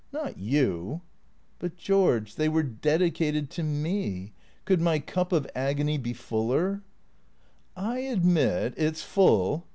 " Not you !"" But, George — they were dedicated to me. Could my cup of agony be fuller?" " I admit it 's full."